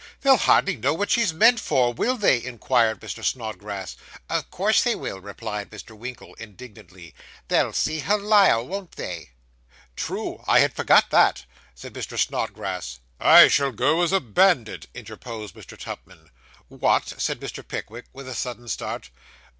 'They'll hardly know what she's meant for; will they?' inquired Mr. Snodgrass. 'Of course they will,' replied Mr. Winkle indignantly. 'They'll see her lyre, won't they?' 'True; I forgot that,' said Mr. Snodgrass. 'I shall go as a bandit,' interposed Mr. Tupman. 'What!' said Mr. Pickwick, with a sudden start.